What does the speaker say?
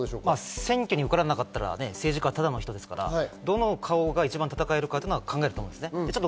選挙に受からなかったら政治家はただの人なので、どの人を顔にするかは考えると思います。